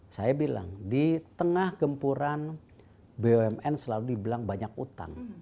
saya bilang di tengah gempuran bumn selalu dibilang banyak utang